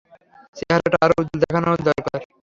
চেহারাটা আরও উজ্জ্বল দেখানো দরকার।